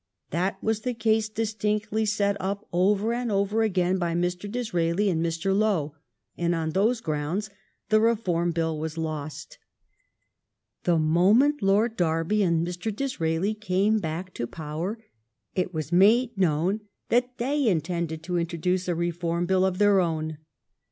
That was the case distinctly set up over and over again by Mr. Disraeli and Mr. Lowe, and on those grounds the Reform Bill was lost. The moment Lord Derby and Mr. Disraeli came back to power, it was made known that they intended to introduce a Reform Bill of their own.